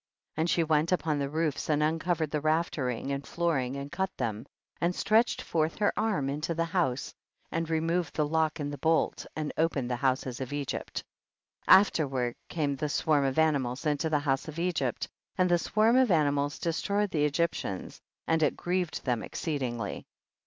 21. And she went upon the roofs and uncovered the raftcringt and flooring and cut them, and stretched forth her arm into the house and re moved the lock and the bolt, and opened the houses of Egypt. 22. Afterward came the swarm of animals into the houses of Egypt, and the swarm of animals destroyed the Egyptians, and it grieved them exceedingly.